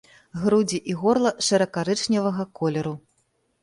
Грудзі і горла шэра-карычневага колеру.